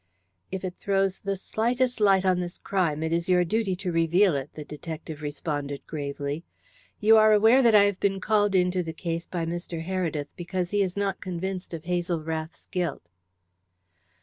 "If it throws the slightest light on this crime it is your duty to reveal it," the detective responded gravely. "You are aware that I have been called into the case by Mr. Heredith because he is not convinced of Hazel Rath's guilt."